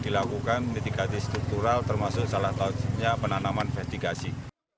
dilakukan mitigasi struktural termasuk salah satunya penanaman investigasi